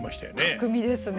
巧みですね。